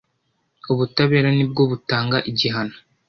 Ubutabera nibwo butanga igihano.